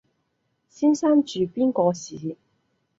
先生住邊個巿？